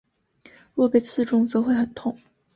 若被刺中则会很痛。